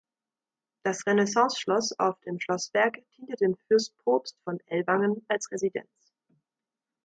Das Renaissanceschloss auf dem Schlossberg diente dem Fürstpropst von Ellwangen als Residenz.